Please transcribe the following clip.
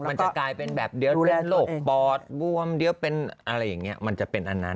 มันจะกลายเป็นแบบเดี๋ยวเป็นโรคปอดบวมเดี๋ยวเป็นอะไรอย่างนี้มันจะเป็นอันนั้น